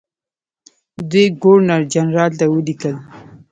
دوی ګورنرجنرال ته ولیکل.